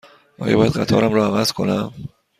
آیا باید قطارم را عوض کنم؟